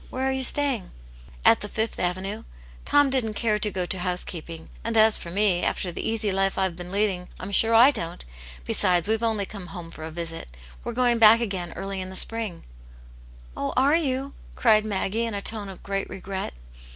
Where are you staying ?"" At the Fifth Avenue. Tom didn't care to go to housekeeping, and as for me, after the easy life I've been leading, I'm sure I don't Besides, we've only come home for a visit. We're going back again early In the spring/' " Oh, are you ?" cried Maggie, in a tone of great regret.